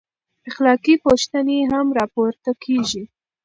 اخلاقي پوښتنې هم راپورته کېږي.